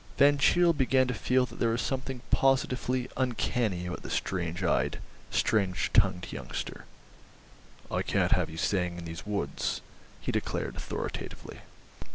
Van Cheele began to feel that there was something positively uncanny about the strange eyed, strange tongued youngster. "I can't have you staying in these woods," he declared authoritatively.